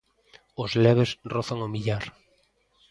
Os leves rozan o millar.